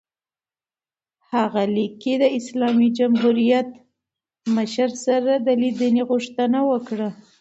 هغه لیک کې د اسلامي جمهوریت مشر سره لیدنې غوښتنه وکړه.